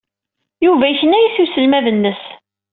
Yuba yekna-as i uselmad-nnes.